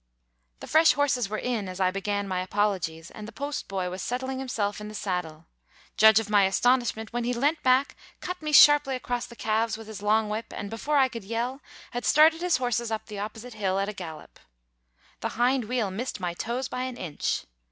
The fresh horses were in as I began my apologies; and the post boy was settling himself in the saddle. Judge of my astonishment when he leant back, cut me sharply across the calves with his long whip, and before I could yell had started his horses up the opposite hill at a gallop. The hind wheel missed my toes by an inch.